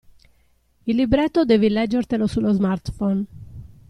Il libretto devi leggertelo sullo smartphone.